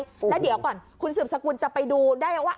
แล้วเดี๋ยวก่อนคุณสืบสกุลจะไปดูได้ว่า